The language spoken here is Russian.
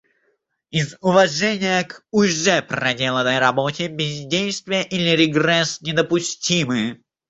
Из уважения к уже проделанной работе бездействие или регресс недопустимы.